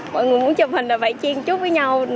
mọi người muốn chụp hình là phải chiên chút với nhau